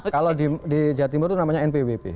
kalau di jawa timur itu namanya npwp